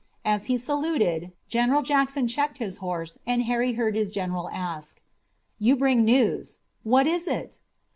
As he saluted, General Jackson checked his horse and Harry heard his general ask: "You bring news. What is it?"